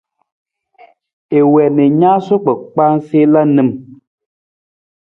I wii na i naasuu kpakpaa sa i la nim.